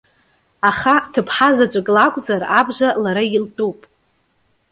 Аха, ҭыԥҳа заҵәык лакәзар, абжа лара илтәуп.